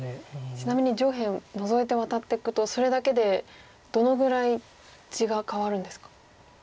ちなみに上辺ノゾいてワタっていくとそれだけでどのぐらい地が変わるんですか。